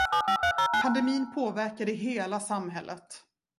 Pandemin påverkade hela samhället.